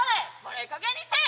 ええかげんにせえよ